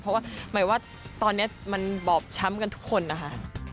เพราะว่าตอนนั้นบ่อบช้ำกันทุกคนค่ะ